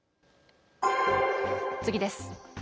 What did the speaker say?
次です。